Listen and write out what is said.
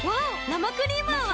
生クリーム泡。